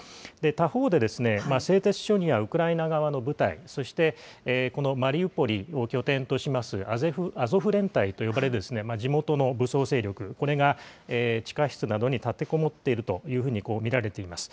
他方で、製鉄所にはウクライナ側の部隊、そしてこのマリウポリを拠点としますアゾフ連隊と呼ばれる地元の武装勢力、これが地下室などに立てこもっているというふうに見られています。